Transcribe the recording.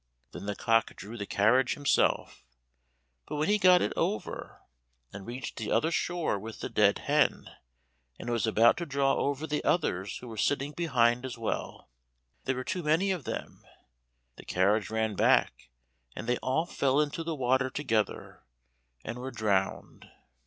Then the cock drew the carriage himself, but when he got it over and reached the other shore with the dead hen, and was about to draw over the others who were sitting behind as well, there were too many of them, the carriage ran back, and they all fell into the water together, and were drowned.